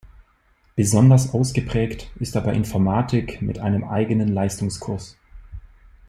Besonders ausgeprägt ist dabei Informatik mit einem eigenen Leistungskurs.